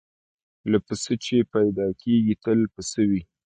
له پسه چي پیدا کیږي تل پسه وي